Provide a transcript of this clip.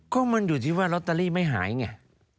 ก็มันอยู่ที่ว่าลอตเตอรี่ไม่หายไง